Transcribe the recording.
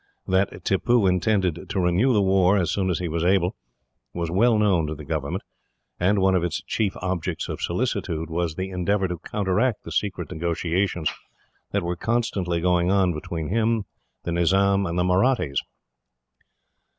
That Tippoo intended to renew the war, as soon as he was able, was well known to the government, and one of its chief objects of solicitude was the endeavour to counteract the secret negotiations that were constantly going on between him, the Nizam, and the Mahrattis.